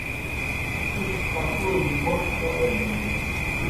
تُس اکوجیْ موْݜ نہ غمیئے۔